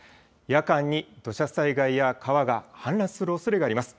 夜間に土砂災害や川が氾濫するおそれがあります。